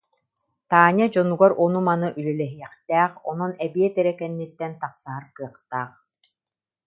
Таня дьонугар ону-маны үлэлэһиэхтээх, онон эбиэт эрэ кэнниттэн тахсыһар кыахтаах